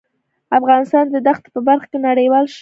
افغانستان د دښتې په برخه کې نړیوال شهرت لري.